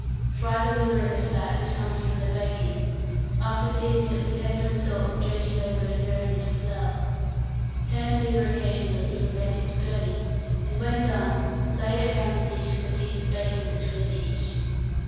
Fry the liver in the fat which comes from the bacon, after seasoning it with pepper and salt and dredging over it a very little flour. Turn the liver occasionally to prevent its burning, and when done, lay it round the dish with a piece of bacon between each.